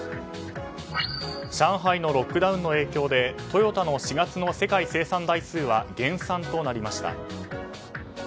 上海のロックダウンの影響でトヨタの４月の世界生産台数は減産となりました。